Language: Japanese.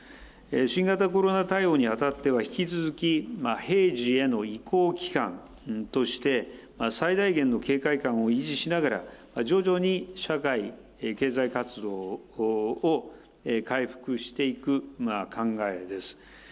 新型コロナ対応に当たっては、引き続き平時への移行期間として、最大限の警戒感を維持しながら、徐々に社会・経済活動を回復していく考えです。